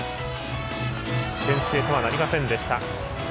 先制とはなりませんでした。